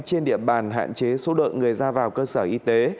trên địa bàn hạn chế số lượng người ra vào cơ sở y tế